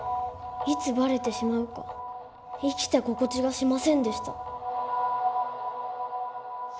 いつばれてしまうか生きた心地がしませんでした。